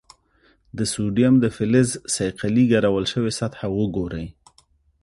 د سوډیم د فلز صیقلي ګرول شوې سطحه وګورئ.